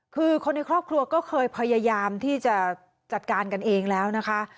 คือคนในครอบครัวก็เคยพยายามที่จะจัดการกันเองแล้วนะคะ